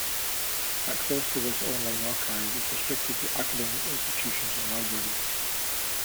Access to this online archive is restricted to academic institutions and libraries.